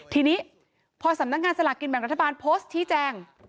ทีนี้พอสำนักงานสลากกินแบ่งรัฐบาลโพสต์ชี้แจง